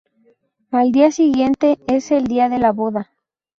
Al día siguiente es el día de la boda.